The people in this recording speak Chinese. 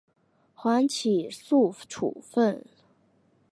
缓起诉处分。